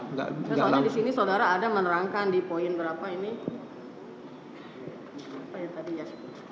soalnya di sini saudara ada menerangkan di poin berapa ini